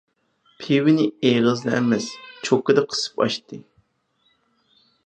پىۋىنى ئېغىزىدا ئەمەس، چوكىدا قىسىپ ئاچتى.